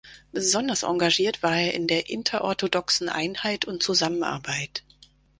Besonders engagiert war er in der inter-orthodoxen Einheit und Zusammenarbeit.